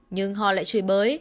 nhưng họ lại chửi bới